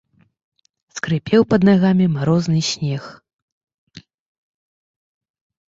Скрыпеў пад нагамі марозны снег.